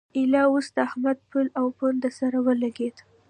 ايله اوس د احمد پل او پونده سره ولګېده.